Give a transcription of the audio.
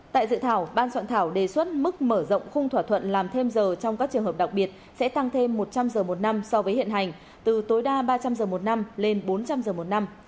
tại dự thảo ban soạn thảo đề xuất mức mở rộng khung thỏa thuận làm thêm giờ trong các trường hợp đặc biệt sẽ tăng thêm một trăm linh giờ một năm so với hiện hành từ tối đa ba trăm linh giờ một năm lên bốn trăm linh giờ một năm